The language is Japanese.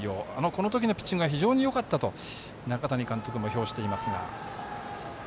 このときのピッチングが非常によかったと中谷監督も評していますが。